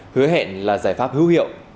hứa hẹn là giải pháp hữu hiệu